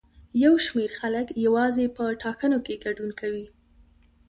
یو شمېر خلک یوازې په ټاکنو کې ګډون کوي.